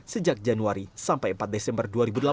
sejak januari sampai empat desember dua ribu delapan belas